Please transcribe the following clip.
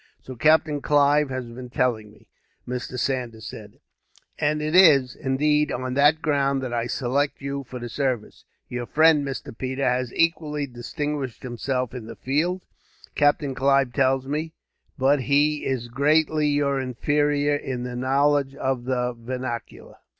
"So Captain Clive has been telling me," Mr. Saunders said; "and it is, indeed, on that ground that I select you for the service. Your friend Mr. Peters has equally distinguished himself in the field, Captain Clive tells me, but he is greatly your inferior in his knowledge of the vernacular."